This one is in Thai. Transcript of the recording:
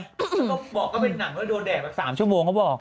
ก็บอกก็เป็นหนังโดนแดดแบบ๓ชั่วโมงก็บอก